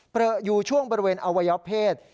เหลืออยู่ช่วงบริเวณอวัยวะเพศ